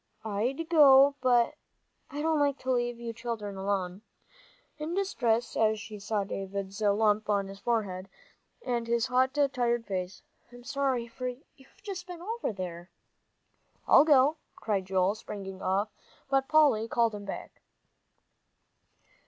"I'd go, but I don't like to leave you children alone," in distress as she saw Davie's lump on his forehead, and his hot, tired face. "I'm sorry, for you've just been over." "I'll go," cried Joel, springing off, but Polly called him back.